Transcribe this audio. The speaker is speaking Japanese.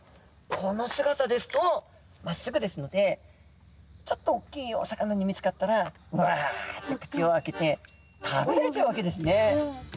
この姿ですとまっすぐですのでちょっと大きいお魚に見つかったらわっと口を開けて食べられちゃうわけですね。